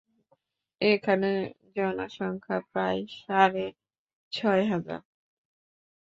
এখানে জনসংখ্যা প্রায় সাড়ে ছয় হাজার।